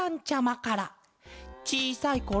「ちいさいころ